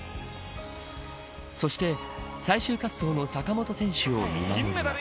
そして、最終滑走の坂本選手を見守ります。